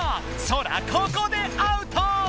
ソラここでアウト！